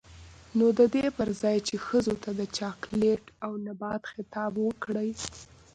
نـو د دې پـر ځـاى چـې ښـځـو تـه د چـاکـليـت او نـبـات خـطاب وکـړي.